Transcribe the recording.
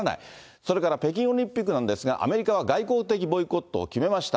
それから北京オリンピックなんですが、アメリカは外交的ボイコットを決めました。